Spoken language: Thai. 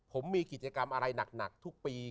ผมมีกิจกรรมอะไรหนักทุกปี